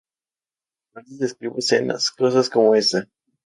A veces escribo escenas, cosas como esa.